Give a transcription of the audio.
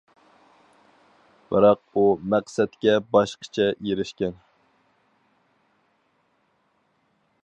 بىراق ئۇ مەقسەتكە باشقىچە ئېرىشكەن.